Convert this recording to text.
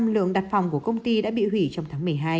năm mươi lượng đặt phòng của công ty đã bị hủy trong tháng một mươi hai